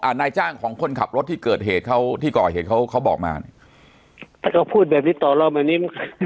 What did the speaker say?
นายจ้างของคนขับรถที่เกิดเหตุเขาที่ก่อเหตุเขาเขาบอกมาเนี้ยถ้าเขาพูดแบบนี้ต่อเราแบบนี้